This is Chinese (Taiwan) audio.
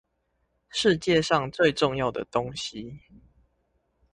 世界上最重要的東西